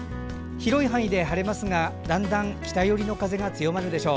広い範囲で晴れますがだんだん北寄りの風が強まるでしょう。